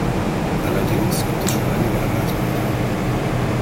Allerdings gibt es schon einige Anhaltspunkte.